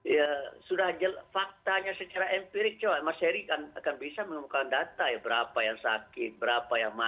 ya sudah faktanya secara empirik coba mas heri akan bisa menemukan data ya berapa yang sakit berapa yang masuk